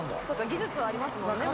技術はありますもんね